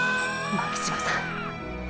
巻島さん！！